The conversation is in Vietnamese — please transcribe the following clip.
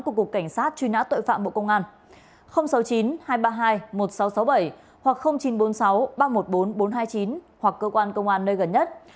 của cục cảnh sát truy nã tội phạm bộ công an sáu mươi chín hai trăm ba mươi hai một nghìn sáu trăm sáu mươi bảy hoặc chín trăm bốn mươi sáu ba trăm một mươi bốn bốn trăm hai mươi chín hoặc cơ quan công an nơi gần nhất